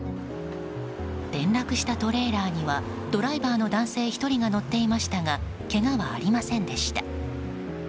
転落したトレーラーにはドライバーの男性１人が乗っていましたがけがはありませんでした。